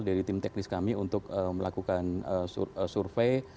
dari tim teknis kami untuk melakukan survei